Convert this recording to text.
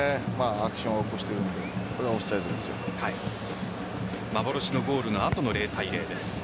アクションを起こしているので幻のゴールの後の０対０です。